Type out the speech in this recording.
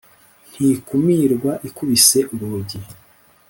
Ntikumirwa ikubise urugi